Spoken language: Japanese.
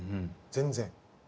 全然。